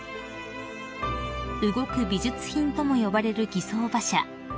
［動く美術品とも呼ばれる儀装馬車］